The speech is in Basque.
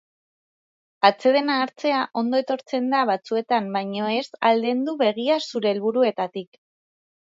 Atsedena hartzea ondo etortzen da batzuetan baina ez aldendu begia zure helburuetatik.